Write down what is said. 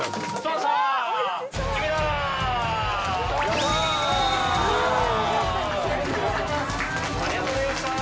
ありがとうございます。